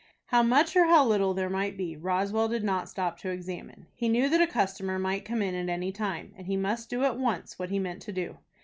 How much or how little there might be Roswell did not stop to examine. He knew that a customer might come in at any time, and he must do at once what he meant to do.